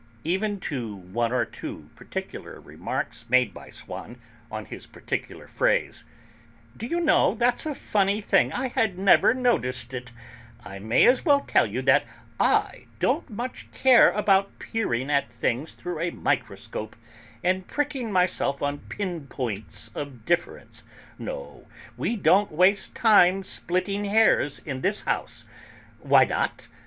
Even to one or two particular remarks made by Swann on his favourite phrase, "D'you know, that's a funny thing; I had never noticed it; I may as well tell you that I don't much care about peering at things through a microscope, and pricking myself on pin points of difference; no; we don't waste time splitting hairs in this house; why not?